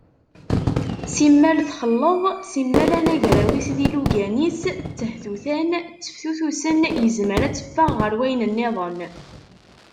Simmal txelleḍ, simmal anagraw-is d yilugan-is ttehtutan, tteftutusen, yezmer ad teffeɣ ɣer wayen-nniḍen.